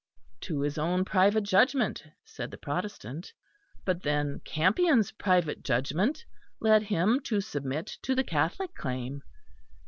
To his own private judgment, said the Protestant. But then Campion's private judgment led him to submit to the Catholic claim!